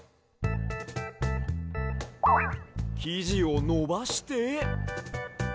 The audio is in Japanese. きじをのばして。